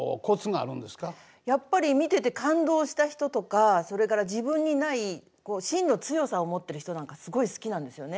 やっぱり見てて感動した人とかそれから自分にない芯の強さを持ってる人なんかすごい好きなんですよね。